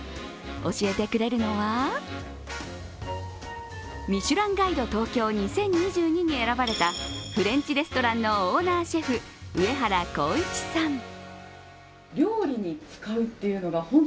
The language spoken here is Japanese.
教えてくれるのはミシュランガイド東京２０２２に選ばれたフレンチレストランのオーナーシェフ、上原浩一さん。